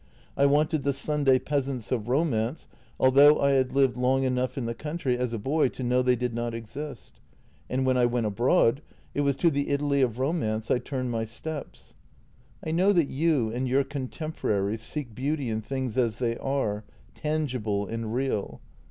I wanted the Sunday JENNY 155 peasants of romance, although I had lived long enough in the country as a boy to know they did not exist, and when I went abroad it was to the Italy of romance I turned my steps. I know that you and your contemporaries seek beauty in things as they are, tangible and real.